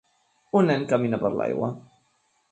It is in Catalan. Un nen camina per l'aigua.